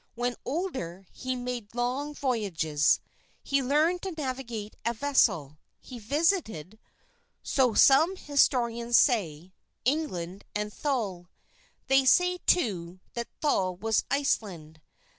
When older, he made long voyages. He learned to navigate a vessel. He visited, so some historians say, England and Thule. They say, too, that Thule was Iceland.